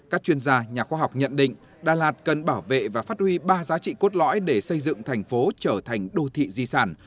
các chuyên gia nhà khoa học nhận định đà lạt cần bảo vệ và phát huy ba giá trị cốt lõi để xây dựng thành phố trở thành đô thị di sản